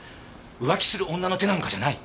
浮気する女の手なんかじゃない！